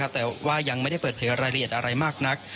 แต่ว่ายังไม่ได้เปิดเผยรายละเอียดอะไรมากนัก